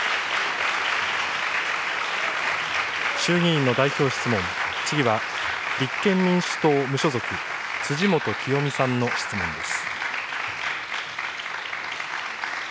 衆議院の代表質問、次は立憲民主党・無所属、辻元清美さんの質問です。